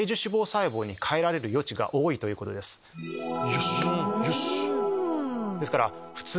よしよし！